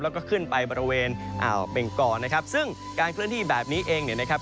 แล้วก็ขึ้นไปบริเวณอ่าวเบงกอนะครับซึ่งการเคลื่อนที่แบบนี้เองเนี่ยนะครับ